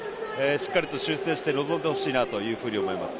しっかり修正して臨んでほしいと思います。